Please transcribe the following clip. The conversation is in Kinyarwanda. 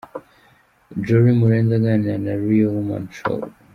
Jolie Murenzi aganira na Real Women Show.